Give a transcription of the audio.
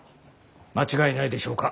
間違いないでしょうか？